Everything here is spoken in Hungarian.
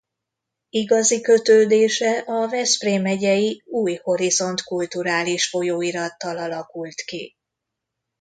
Igazi kötődése a Veszprém megyei Új Horizont kulturális folyóirattal alakult ki.